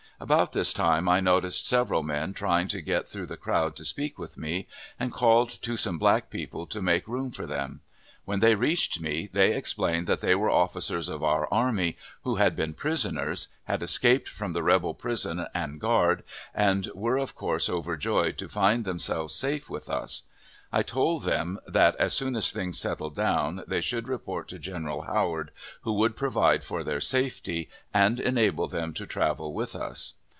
About this time I noticed several men trying to get through the crowd to speak with me, and called to some black people to make room for them; when they reached me, they explained that they were officers of our army, who had been prisoners, had escaped from the rebel prison and guard, and were of course overjoyed to find themselves safe with us. I told them that, as soon as things settled down, they should report to General Howard, who would provide for their safety, and enable them to travel with us.